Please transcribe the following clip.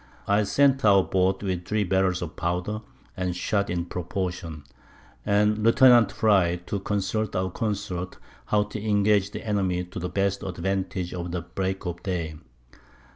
I sent our Boat with 3 Barrels of Powder, and Shot in proportion, and Lieut. Frye, to consult our Consorts how to engage the Enemy to the best advantage at Break of Day.